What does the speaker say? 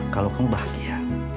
kalau kamu bahagia